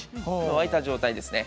沸いた状態です。